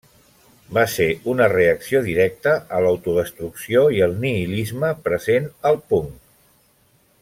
Va ser una reacció directa a l'autodestrucció i el nihilisme present al punk.